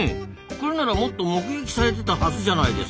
これならもっと目撃されてたはずじゃないですか。